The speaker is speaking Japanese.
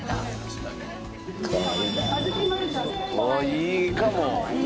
いいかも。